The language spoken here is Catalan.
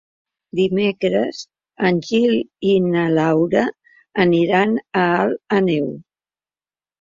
Dimecres en Gil i na Laura aniran a Alt Àneu.